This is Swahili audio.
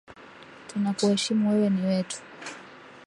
Tunakuheshimu wewe ni wetu.